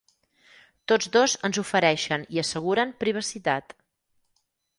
Tots dos ens ofereixen i asseguren privacitat.